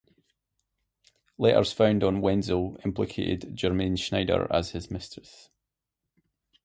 Letters found on Wenzel implicated Germaine Schneider as his mistress.